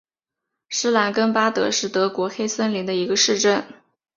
施兰根巴德是德国黑森州的一个市镇。